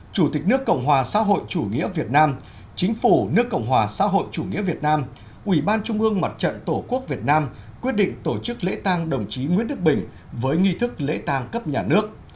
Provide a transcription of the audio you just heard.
chủ tịch nước cộng hòa xã hội chủ nghĩa việt nam chính phủ nước cộng hòa xã hội chủ nghĩa việt nam ủy ban trung ương mặt trận tổ quốc việt nam quyết định tổ chức lễ tang đồng chí nguyễn đức bình với nghi thức lễ tang cấp nhà nước